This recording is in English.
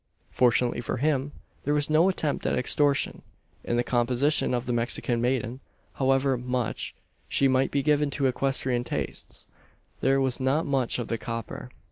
Fortunately for him, there was no attempt at extortion. In the composition of the Mexican maiden, however much she might be given to equestrian tastes, there was not much of the "coper."